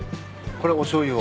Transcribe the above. これおしょうゆを？